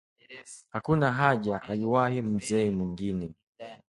“Hakuna haja!” Aliwahi mzee mwingine